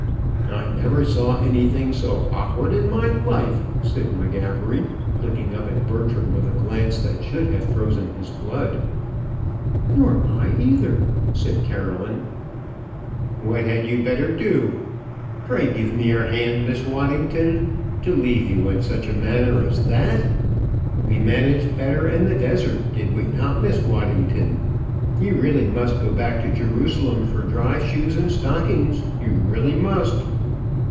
"I never saw anything so awkward in my life," said M'Gabbery, looking up at Bertram with a glance that should have frozen his blood. "Nor I, either," said Caroline. "What had you better do? Pray give me your hand, Miss Waddington. To leave you in such a manner as that! We managed better in the desert, did we not, Miss Waddington? You really must go back to Jerusalem for dry shoes and stockings; you really must.